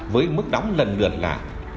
với mức đóng lần lượt là